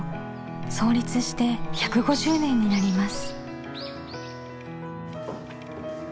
創立して１５０年になります。